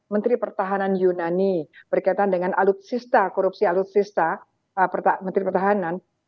menteri pertahanan yunani berkaitan dengan alutsista korupsi alutsista menteri pertahanan